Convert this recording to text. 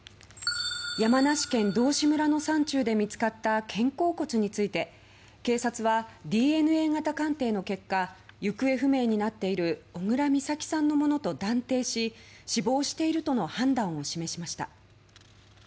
山梨県道志村の山中で見つかった肩甲骨について警察は、ＤＮＡ型鑑定の結果行方不明になっている小倉美咲さんのものと断定し死亡しているとの判断を示しました。